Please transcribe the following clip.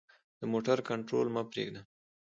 د موټر کنټرول مه پریږده.